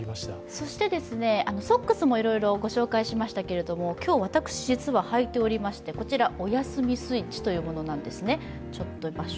ソックスもいろいろご紹介しましたが、今日、私、実は履いていましてこちら、おやすみスイッチというものなんですね。